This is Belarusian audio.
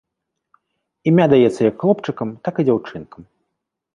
Імя даецца як хлопчыкам, так і дзяўчынкам.